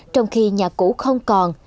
trong khi nhà cũ không còn